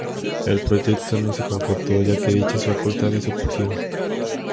El proyecto no se concretó ya que dichas facultades se opusieron.